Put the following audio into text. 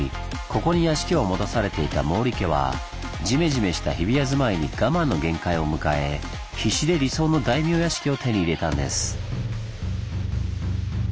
ここに屋敷を持たされていた毛利家はじめじめした日比谷住まいに我慢の限界を迎え必死で理想の大名屋敷を手に入れたんです。